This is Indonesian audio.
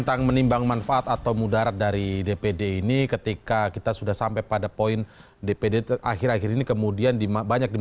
karena kehadiran dpd itu memang